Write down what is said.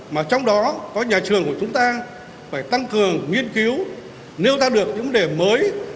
mà trong đó có nhà trường của chúng ta phải tăng cường nghiên cứu nếu ta được những vấn đề mới